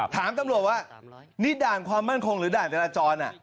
ถามตำรวจว่านี่ด่านความมั่นคงหรือด่านจราจร